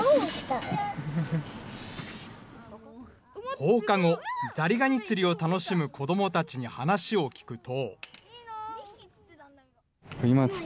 放課後、ザリガニ釣りを楽しむ子どもたちに話を聞くと。